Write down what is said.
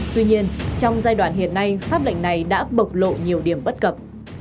tuy nhiên trong giai đoạn hiện nay pháp lệnh này đã bộc lộ nhiều điểm bất cập